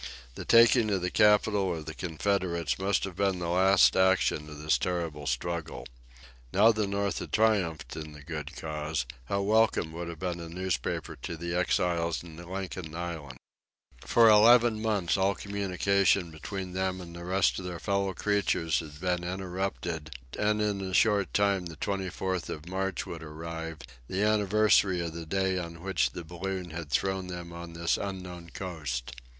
The taking of the capital of the Confederates must have been the last action of this terrible struggle. Now the North had triumphed in the good cause, how welcome would have been a newspaper to the exiles in Lincoln Island! For eleven months all communication between them and the rest of their fellow creatures had been interrupted, and in a short time the 24th of March would arrive, the anniversary of the day on which the balloon had thrown them on this unknown coast.